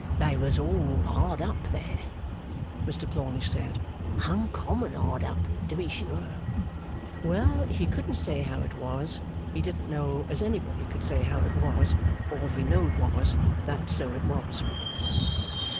They was all hard up there, Mr Plornish said, uncommon hard up, to be sure. Well, he couldn't say how it was; he didn't know as anybody could say how it was; all he know'd was, that so it was.